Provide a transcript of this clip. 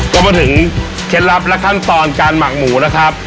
ก็มาถึงเคล็ดลับและขั้นตอนการหมักหมูนะครับ